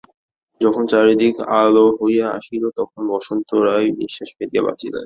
যখন চারিদিক আলাে হইয়া আসিল তখন বসন্ত রায় নিশ্বাস ফেলিয়া বাঁচিলেন।